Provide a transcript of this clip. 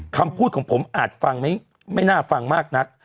คำพูดของผมอาจฟังไม่น่าฟังมากนัก